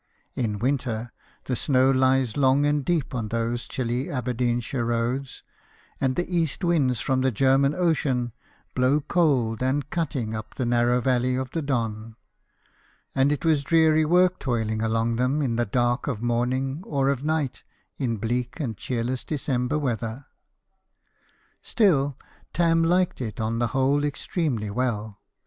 In winter, the snow lies long and deep on those chilly Aberdeen shire roads, and the east winds from the German Ocean blow cold and cutting up the narrow valley of the Don ; and it was dreary work toiling along them in the dark of morning or of night in bleak and cheerless December weather. Still, Tarn liked it on the whole extremely well.